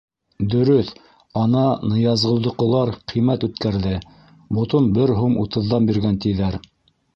Дөрөҫ, ана Ныязғолдоҡолар ҡиммәт үткәрҙе, ботон бер һум утыҙҙан биргән, тиҙәр.